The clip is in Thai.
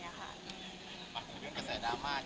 เรื่องกระสาดรามาจากละคร